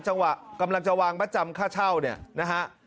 จังหวะกำลังจะวางประจำค่าเช่านะฮะ